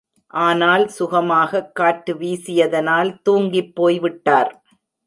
ஆனால் சுகமாகக் காற்று வீசியதனால் தூங்கிப் போய்விட்டார்.